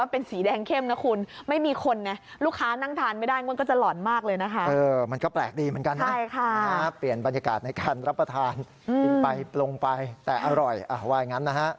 เพราะว่าถ้าเกิดว่าเป็นสีแดงเข้มนะคุณ